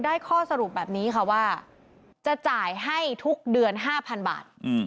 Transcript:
ข้อสรุปแบบนี้ค่ะว่าจะจ่ายให้ทุกเดือน๕๐๐๐บาท